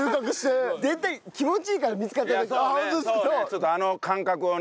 ちょっとあの感覚をね。